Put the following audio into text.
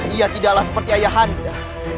ia tidaklah seperti ayah anda